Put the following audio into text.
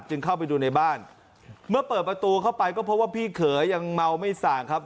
เข้าไปดูในบ้านเมื่อเปิดประตูเข้าไปก็พบว่าพี่เขยยังเมาไม่ส่างครับ